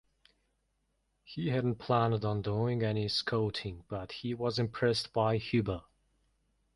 He hadn't planned on doing any scouting, but he was impressed by Hubbell.